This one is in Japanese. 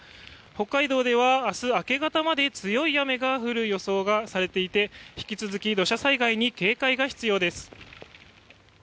北海道では明日明け方まで強い雨が降る予想がされていて引き続き、土砂災害に警戒が必要です。